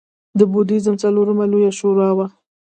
د بودیزم څلورمه لویه شورا وه